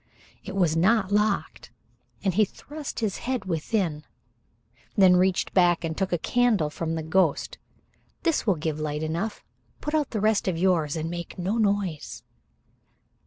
It was not locked, and he thrust his head within, then reached back and took a candle from the ghost. "This will give light enough. Put out the rest of yours and make no noise."